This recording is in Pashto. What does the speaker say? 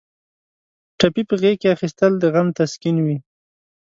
ټپي په غېږ کې اخیستل د غم تسکین وي.